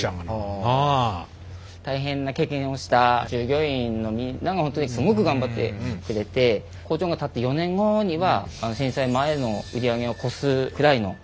大変な経験をした従業員のみんなが本当にすごく頑張ってくれて工場が建って４年後には震災前の売り上げを超すくらいの業績に。